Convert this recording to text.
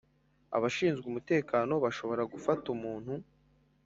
Abashinzwe umutekano bashobora gufata umuntu